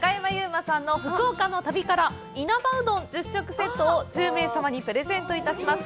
馬さんの福岡の旅から因幡うどん１０食セットを１０名様にプレゼントします。